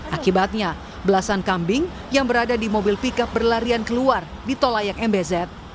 akibatnya belasan kambing yang berada di mobil pickup berlarian keluar di tol layang mbz